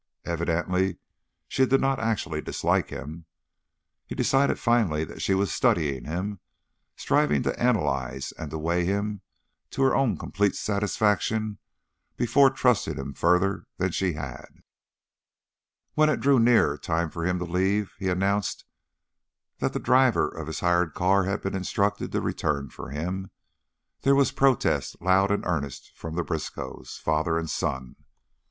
Evidently she did not actually dislike him; he decided finally that she was studying him, striving to analyze and to weigh him to her own complete satisfaction before trusting him further than she had. When it drew near the time for him to leave, and he announced that the driver of his hired car had been instructed to return for him, there was protest, loud and earnest, from the Briskows, father and son.